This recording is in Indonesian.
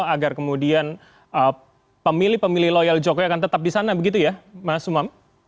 agar kemudian pemilih pemilih loyal jokowi akan tetap di sana begitu ya mas umam